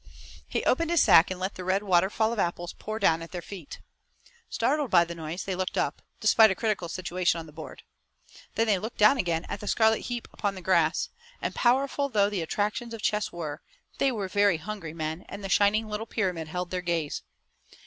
He opened his sack and let the red waterfall of apples pour down at their feet. Startled by the noise, they looked up, despite a critical situation on the board. Then they looked down again at the scarlet heap upon the grass, and, powerful though the attractions of chess were, they were very hungry men, and the shining little pyramid held their gaze.